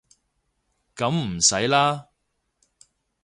噉唔使啦